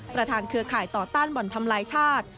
ประธานเครือข่ายต่อต้านบ่อนทำร้ายชาติ